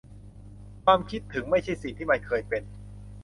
ความคิดถึงไม่ใช่สิ่งที่มันเคยเป็น